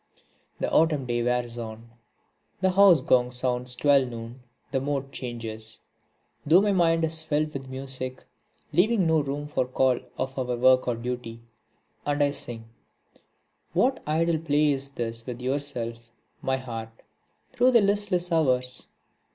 The autumn day wears on, the house gong sounds 12 noon, the mode changes; though my mind is still filled with music, leaving no room for call of work or duty; and I sing: What idle play is this with yourself, my heart, through the listless hours?